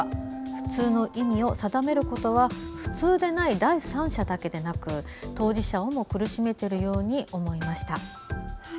普通の意味を定めることは普通でない第三者だけでなく当事者をも苦しめているように思いました。